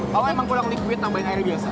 kalau emang kurang liquid tambahin air biasa